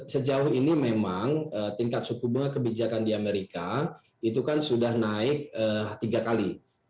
sejauh ini memang tingkat suku bunga kebijakan di amerika itu kan sudah naik tiga kali